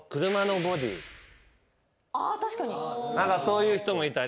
そういう人もいたり。